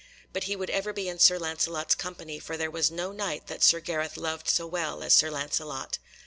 But he would ever be in Sir Lancelot's company, for there was no Knight that Sir Gareth loved so well as Sir Lancelot.